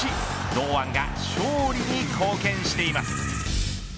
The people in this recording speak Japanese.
堂安が勝利に貢献しています。